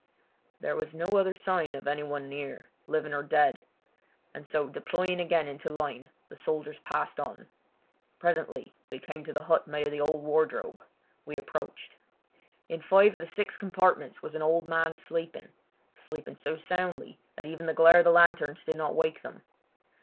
There was no other sign of any one near, living or dead; and so deploying again into line the soldiers passed on. Presently we came to the hut made of the old wardrobe. We approached. In five of the six compartments was an old man sleeping—sleeping so soundly that even the glare of the lanterns did not wake them.